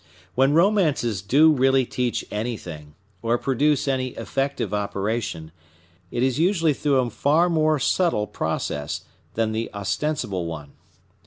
When romances do really teach anything, or produce any effective operation, it is usually through a far more subtile process than the ostensible one.